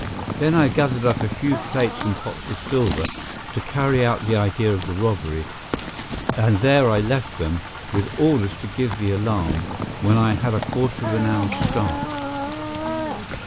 Then I gathered up a few plates and pots of silver, to carry out the idea of the robbery, and there I left them, with orders to give the alarm when I had a quarter of an hour's start.